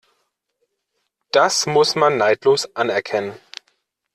Das muss man neidlos anerkennen.